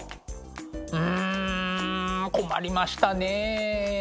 うん困りましたねえ。